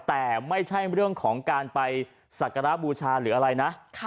แต่ไม่ใช่เรื่องของการไปสักการะบูชาหรืออะไรนะ